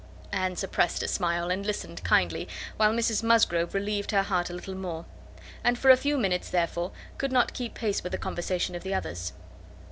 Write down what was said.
Anne suppressed a smile, and listened kindly, while Mrs Musgrove relieved her heart a little more; and for a few minutes, therefore, could not keep pace with the conversation of the others.